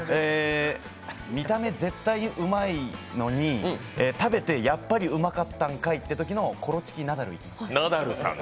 見た目絶対うまいのに、食べてやっぱりうまかったんかいというときのコロチキ・ナダルいきます。